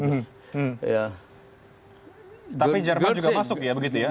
hmm tapi jerman juga masuk ya begitu ya